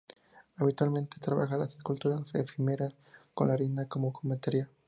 Habitualmente trabaja las esculturas efímeras, con la arena como material.